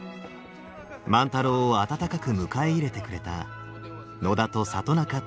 万太郎を温かく迎え入れてくれた野田と里中との出会い。